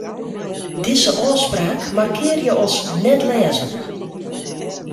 Dizze ôfspraak markearje as net-lêzen.